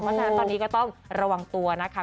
เพราะฉะนั้นตอนนี้ก็ต้องระวังตัวนะคะ